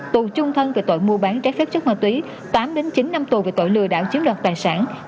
tù trung thân về tội mua bán trái phép chất ma túy tám chín năm tù về tội lừa đảo chiếm đoạt tài sản